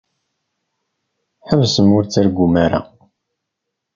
Ḥebsem ur ttargum ara.